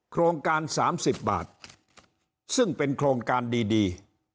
โครงการ๓๐บาทซึ่งเป็นโครงการดี